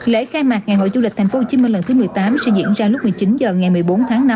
lễ khai mạc ngày hội du lịch tp hcm lần thứ một mươi tám sẽ diễn ra lúc một mươi chín h ngày một mươi bốn tháng năm